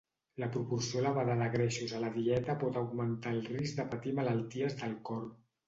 La proporció elevada de greixos a la dieta pot augmentar el risc de patir malalties del cor.